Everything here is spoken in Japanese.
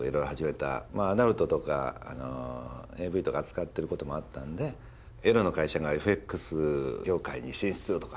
アダルトとかＡＶとか扱ってることもあったんでエロの会社がＦＸ業界に進出とか。